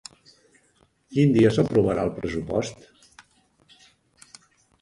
Quin dia s'aprovarà el pressupost?